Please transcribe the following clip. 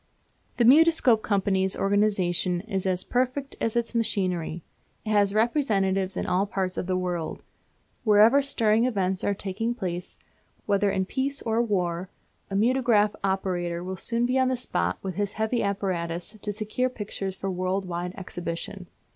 The Mutoscope Company's organisation is as perfect as its machinery. It has representatives in all parts of the world. Wherever stirring events are taking place, whether in peace or war, a mutograph operator will soon be on the spot with his heavy apparatus to secure pictures for world wide exhibition.